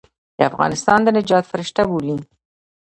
د افغانستان د نجات فرشته بولي.